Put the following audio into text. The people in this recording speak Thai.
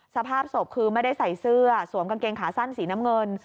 สภาพศพคือไม่ได้ใส่เสื้อสวมกางเกงขาสั้นสีน้ำเงิน